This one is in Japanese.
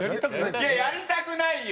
いややりたくないよ。